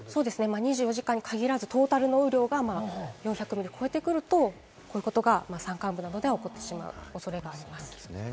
２４時間に限らず、トータルの雨量が４００ミリを超えてくると、こういうことが山間部などで起こってしまう恐れがあります。